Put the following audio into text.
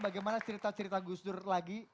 bagaimana cerita cerita gus dur lagi